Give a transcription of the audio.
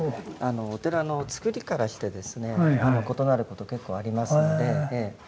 お寺の造りからしてですね異なること結構ありますのでええ。